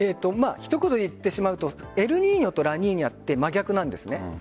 ひと言で言ってしまうとエルニーニョとラニーニャって真逆なんですね。